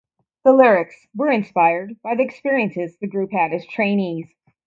The lyrics were inspired by the experiences the group had as trainees.